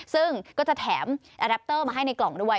ซึ่งก็จะแถมแรปเตอร์มาให้ในกล่องด้วย